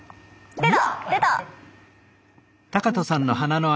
出た！